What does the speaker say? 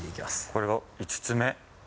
これが５つ目？